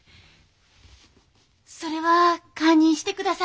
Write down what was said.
それは堪忍してくだされ。